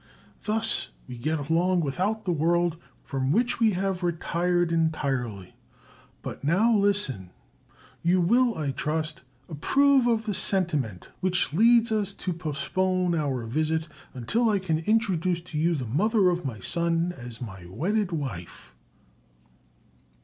Thus we get along without the world, from which we have retired entirely.... But now listen; you will, I trust, approve of the sentiment which leads us to postpone our visit until I can introduce to you the mother of my son as my wedded wife."